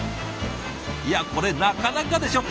いやこれなかなかでしょ。